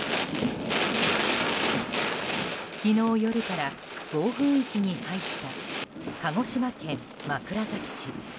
昨日夜から暴風域に入った鹿児島県枕崎市。